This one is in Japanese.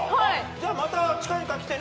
じゃあまた近々来てね。